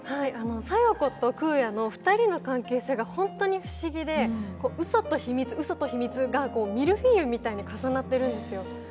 小夜子と空也の２人の関係性が本当に不思議でうそと秘密がミルフィーユみたいに重なってるんですよ。